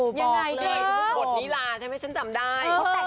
บทนิราใช่มั้ยฉันจำได้